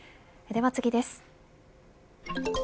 では次です。